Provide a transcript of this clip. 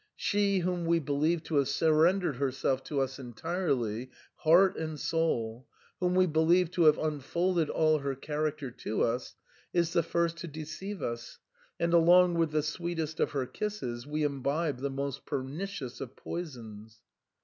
She whom we believe to have surrendered herself to us entirely, heart and soul, whom we believe to have unfolded all her char acter to us, is the first to deceive us, and along with the sweetest of her kisses we imbibe the most pernicious of poisons."